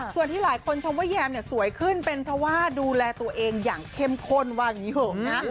ส่วนที่หลายคนชมว่าแยมเนี่ยสวยขึ้นเป็นเพราะว่าดูแลตัวเองอย่างเข้มข้นว่าอย่างนี้เถอะนะ